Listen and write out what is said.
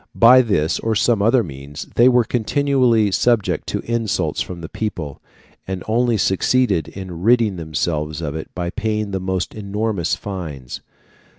By this or some other means they were continually subject to insults from the people, and only succeeded in ridding themselves of it by paying the most enormous fines.